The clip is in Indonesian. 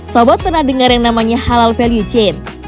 sobat pernah dengar yang namanya halal value chain